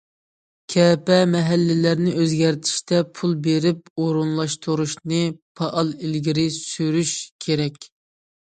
كەپە مەھەللىلەرنى ئۆزگەرتىشتە پۇل بېرىپ ئورۇنلاشتۇرۇشنى پائال ئىلگىرى سۈرۈش كېرەك.